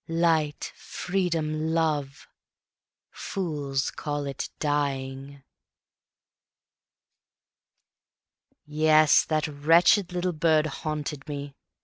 Light, freedom, love. ... Fools call it Dying. Yes, that wretched little bird haunted me.